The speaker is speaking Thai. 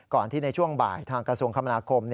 ที่ในช่วงบ่ายทางกระทรวงคมนาคม